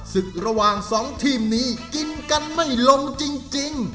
ศึกระหว่างสองทีมนี้กินกันไม่ลงจริง